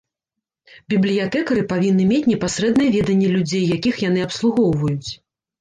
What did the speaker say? Бібліятэкары павінны мець непасрэднае веданне людзей, якіх яны абслугоўваюць.